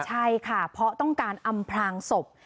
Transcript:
ใช่ค่ะเพราะต้องการอำพลางศพ